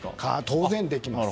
当然、できます。